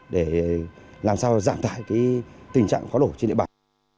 để làm sao giảm tải cái tình trạng pháo lộ trên địa bàn